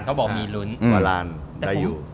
วาลานได้อยู่